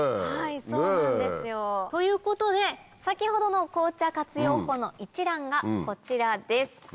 そうなんですよ。ということで先ほどの紅茶活用法の一覧がこちらです。